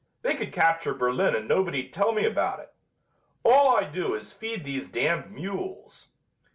They could capture Berlin and nobody'd tell me about it. All I do is feed these damned mules.